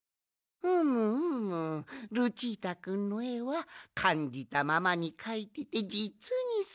ふむふむルチータくんのえはかんじたままにかいててじつにすばらしい。